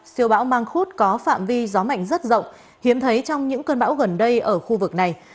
siêu bão mang khúc có phạm vi gió mạnh rất rộng hiếm thấy trong những cơn bão gần đây ở khu vực này